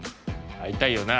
会いたいよな？